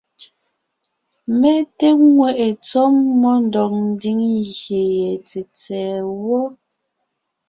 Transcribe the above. Mé té ŋweʼe tsɔ́ mmó ndɔg ńdiŋ gyè ye tsètsɛ̀ɛ wɔ.